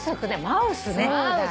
マウスね。